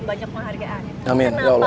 banyak penghargaan kenapa